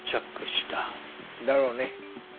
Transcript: だろうね。